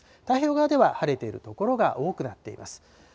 太平洋側では晴れている所が多くなっています。